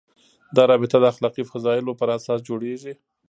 دا رابطه د اخلاقي فضایلو پر اساس جوړېږي.